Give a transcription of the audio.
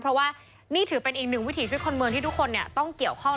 เพราะว่านี่ถือเป็นอีกหนึ่งวิถีชีวิตคนเมืองที่ทุกคนต้องเกี่ยวข้อง